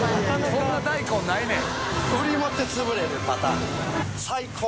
そんな大根ないねん。